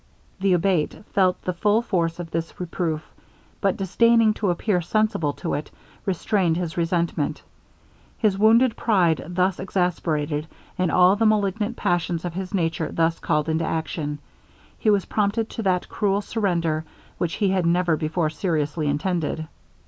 The Abate felt the full force of this reproof; but disdaining to appear sensible to it, restrained his resentment. His wounded pride thus exasperated, and all the malignant passions of his nature thus called into action, he was prompted to that cruel surrender which he had never before seriously intended.